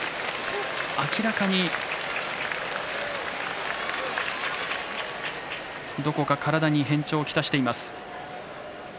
明らかに、どこか体に変調をきたしています。